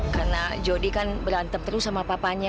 karena jody kan berantem terus sama papanya